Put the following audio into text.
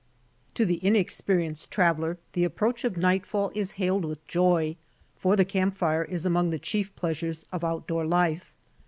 To THE inexperienced traveler the approach of nightfall is hailed with joy, for the camp fire is among the chief pleasures of out door life.